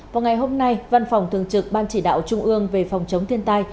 vào ngày hôm nay văn phòng thường trực ban chỉ đạo trung ương về phòng chống thiên tai